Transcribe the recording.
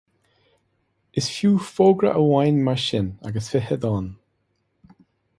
Is fiú fógra amháin mar sin agus fiche dán.